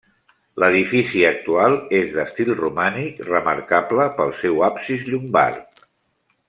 L'edifici actual és d'estil romànic, remarcable pel seu absis llombard.